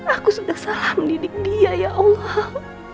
aku sudah salah mendidik dia ya allah